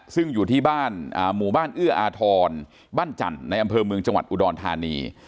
ซึ่งอยู่ที่บ้านหมู่บ้านเอื้ออาทรบ้านจันทร์ในอำเภอเมืองจังหวัดอุดรธานี